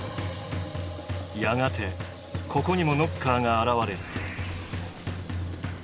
やがてここにもノッカーが現れる。